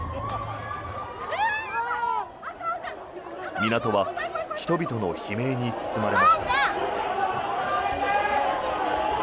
港は人々の悲鳴に包まれました。